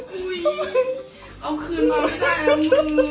เอาคืนมาไม่ได้นะมึง